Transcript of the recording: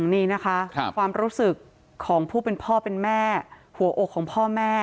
นี่นะคะความรู้สึกของผู้เป็นพ่อเป็นแม่หัวอกของพ่อแม่